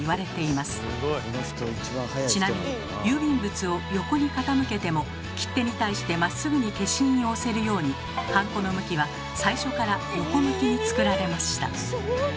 ちなみに郵便物を横に傾けても切手に対してまっすぐに消印を押せるようにハンコの向きは最初から横向きに作られました。